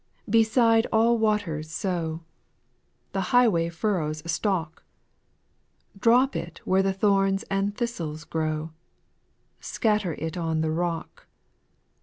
2. Beside all waters sow, The highway furrows stock ; Drop it where thorns and thistles grow, Scatter it on the rock.